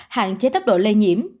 hạn chế tốc độ lây nhiễm